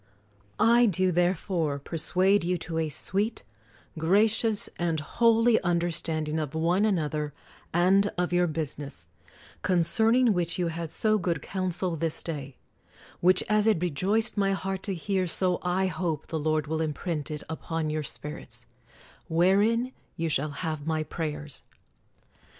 I do therefore persuade you to a sweet, gra cious, and holy understanding of one another and of your business, concerning which you had so good counsel this day; which as it re joiced my heart to hear, so I hope the Lord will imprint it upon your spirits, — wherein you shal 1 have my prayers.